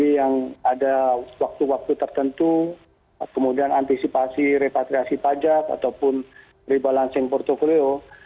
jadi bagi yang ada waktu waktu tertentu kemudian antisipasi repatriasi pajak ataupun rebalancing portfolio